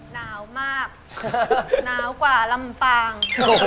หนาวมากหนาวกว่าลำปาง